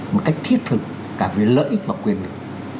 một cách thiết thực cả về lợi ích và quyền lực